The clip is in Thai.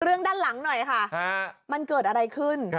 ด้านหลังหน่อยค่ะมันเกิดอะไรขึ้น